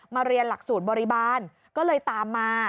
มาเรียนหลักศูนย์บริบารก็เลยตามมา